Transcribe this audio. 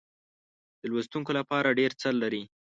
د لوستونکو لپاره ډېر څه لري.